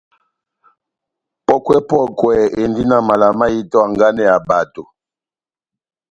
Pɔ́kwɛ-pɔkwɛ endi na mala mahitɛ ó hanganɛ ya bato.